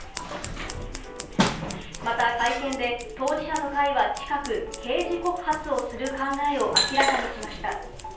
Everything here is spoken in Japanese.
また会見で当事者の会は近く刑事告発をする考えを明らかにしました。